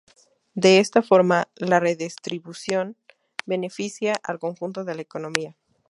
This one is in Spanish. De esta forma la redistribución beneficia al conjunto de la economía.